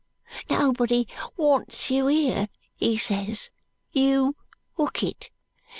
Nobody wants you here,' he ses. 'You hook it.